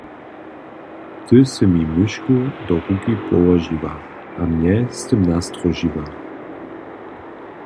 Ty sy mi myšku do ruki połožiła a mje z tym nastróžiła.